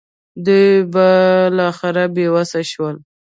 دوی به بالاخره بې وسه شول.